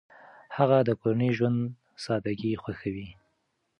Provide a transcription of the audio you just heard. هغه د کورني ژوند سادګي خوښوي.